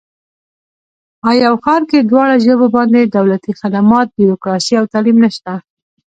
او یو ښار کې دواړه ژبو باندې دولتي خدمات، بیروکراسي او تعلیم نشته دی